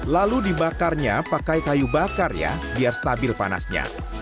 lalu dibakarnya pakai kayu bakar ya biar stabil panasnya